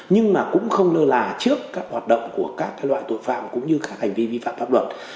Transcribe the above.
nhưng mà cũng không lơ là trước các hoạt động của các loại tội phạm cũng như các hành vi vi phạm pháp luật